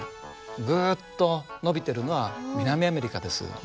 ぐっと伸びてるのは南アメリカです。